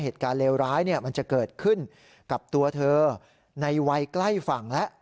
เหตุการณ์เลวร้ายมันจะเกิดขึ้นกับตัวเธอในวัยใกล้ฝั่งแล้ว